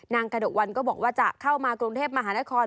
กระดกวันก็บอกว่าจะเข้ามากรุงเทพมหานคร